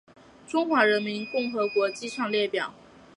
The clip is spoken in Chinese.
中华人民共和国机场列表